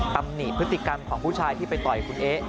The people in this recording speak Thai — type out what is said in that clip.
ตำหนิพฤติกรรมของผู้ชายที่ไปต่อยคุณเอ๊ะ